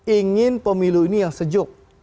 ingin pemilu ini yang sejuk